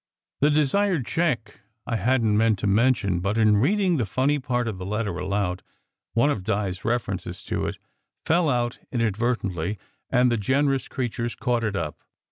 The desired cheque I hadn t meant to mention, but in reading the funny part of the letter aloud one of Di s references to it fell out inadvertently, and the generous creatures caught it up.